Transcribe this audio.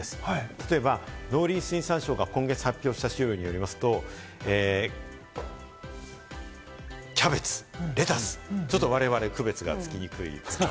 例えば農林水産省が今月発表した資料によりますと、キャベツ、レタス、ちょっと我々、区別がつきにくい。